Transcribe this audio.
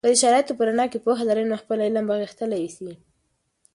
که د شرایطو په رڼا کې پوهه لرئ، نو خپل علم به غښتلی سي.